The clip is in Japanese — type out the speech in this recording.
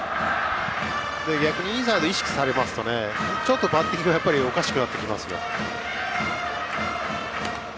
逆にインサイドを意識させられるとやっぱりバッティングが少しおかしくなってきますよ。